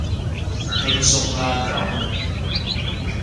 輕鬆啦咁